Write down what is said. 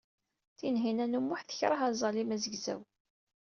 Tinhinan u Muḥ tekṛeh aẓalim azegzaw.